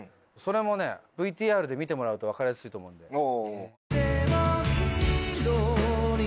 それも ＶＴＲ で見てもらうと分かりやすいと思うんで。